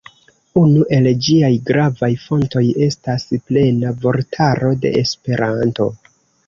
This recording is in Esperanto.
Unu el ĝiaj gravaj fontoj estas Plena Vortaro de Esperanto.